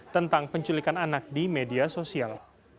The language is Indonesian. tentang penculikan anak di media sosial